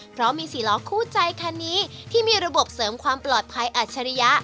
เพราะมีสี่ล้อคู่ใจคันนี้ที่มีระบบเสริมความปลอดภัยอัจฉริยะ